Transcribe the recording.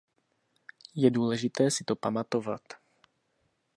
Je důležité si to pamatovat.